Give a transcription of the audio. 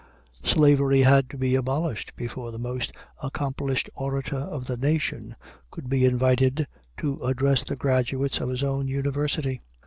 Slavery had to be abolished before the most accomplished orator of the nation could be invited to address the graduates of his own university.